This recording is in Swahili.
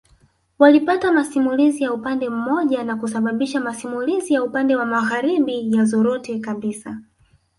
Walipata masimulizi ya upande mmoja na kusababisha masimulizi ya upande wa magharibi yazorote kabisa